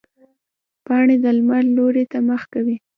پاڼې د لمر لوري ته مخ کوي